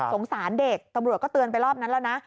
สงสารเด็กตำรวจก็เตือนไปรอบนั้นแล้วนะ